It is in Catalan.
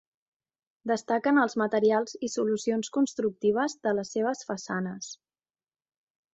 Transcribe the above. Destaquen els materials i solucions constructives de les seves façanes.